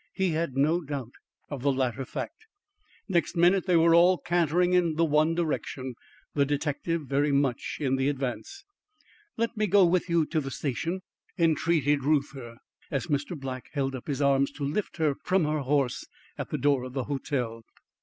He had no doubt of the latter fact. Next minute, they were all cantering in the one direction; the detective very much in the advance. "Let me go with you to the station," entreated Reuther, as Mr. Black held up his arms to lift her from her horse at the door of the hotel.